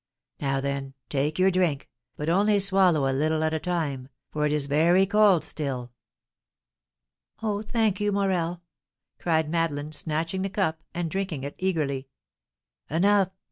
"Now, then, take your drink, but only swallow a little at a time, for it is very cold still." "Oh, thank you, Morel!" cried Madeleine, snatching the cup, and drinking it eagerly. "Enough!